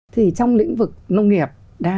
thì trong lĩnh vực nông nghiệp